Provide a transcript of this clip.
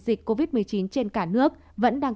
dịch covid một mươi chín trên cả nước vẫn đang